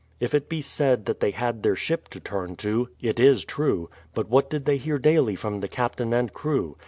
If it be said that they had their ship to turn to, it is true; but what did they hear daily from the captain and crew?